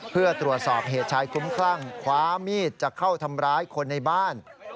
เพื่อตรวจสอบเหตุชายคุ้มคลั่งคว้ามีดจะเข้าทำร้ายคนในบ้าน